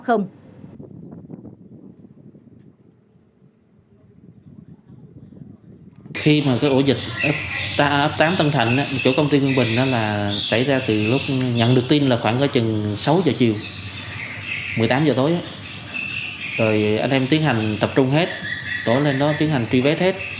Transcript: tổ truy vết tổ lên đó tiến hành tập trung hết tổ lên đó tiến hành truy vết hết